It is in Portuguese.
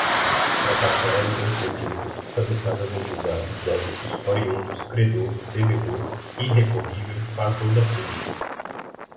precatório, expedido, transitadas em julgado, débitos, oriundos, credor, devedor, irrecorrível, fazenda pública